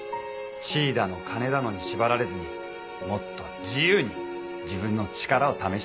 地位だの金だのに縛られずにもっと自由に自分の力を試してみたかったんだ。